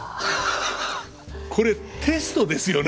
これテストですよね。